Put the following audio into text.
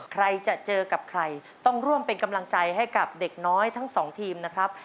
ใครจะเจอกับใครต้องร่วมเป็นกำลังใจให้กับเด็กน้อยทั้งสองทีมนะครับ